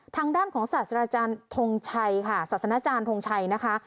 ทางด้านของศาสนาจารย์ทงชัยนะคะ